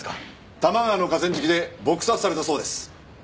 多摩川の河川敷で撲殺されたそうです。